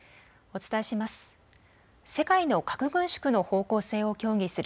お伝えします。